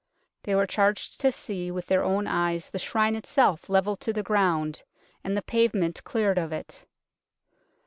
They were charged to see with their own eyes the shrine itself levelled with the ground, and the pavement cleared of it.